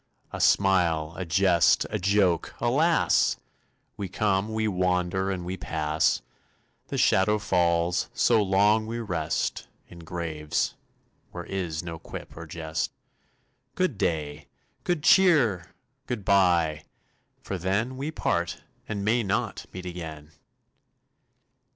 A smile, a jest, a joke alas! We come, we wonder, and we pass. The shadow falls; so long we rest In graves, where is no quip or jest. Good day! Good cheer! Good bye! For then We part and may not meet again!